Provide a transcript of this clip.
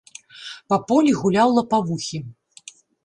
Па полі гуляў лапавухі.